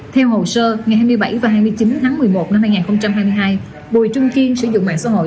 theo hồ sơ ngày hai mươi bảy và hai mươi chín tháng một mươi một năm hai nghìn hai mươi hai bùi trung kiên sử dụng mạng xã hội